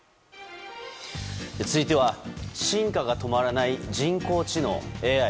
続いては、進化が止まらない人工知能・ＡＩ。